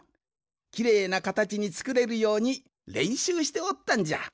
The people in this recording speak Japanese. きれいなかたちにつくれるようにれんしゅうしておったんじゃ。